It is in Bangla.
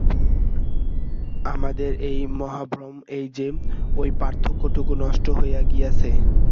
আমাদের মহাভ্রম এই যে, ঐ পার্থক্যটুকু নষ্ট হইয়া গিয়াছে।